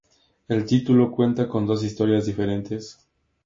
El título cuenta con dos historias diferentes.